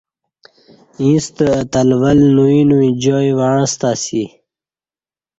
ییں ستہ اہ تلول نوئ نوئ جائ وعݩستہ اسی